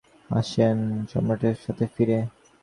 তিনি সরকারী বাহিনী কর্তৃক দখলকৃত সম্রাটের সাথে ফিরে আসেন।